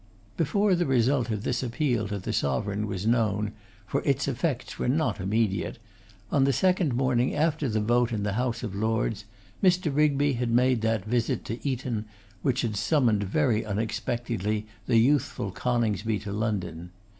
Before the result of this appeal to the Sovereign was known, for its effects were not immediate, on the second morning after the vote in the House of Lords, Mr. Rigby had made that visit to Eton which had summoned very unexpectedly the youthful Coningsby to London.